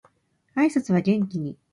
挨拶は元気に